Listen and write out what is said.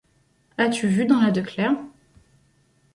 As-tu vu dans la Ducler…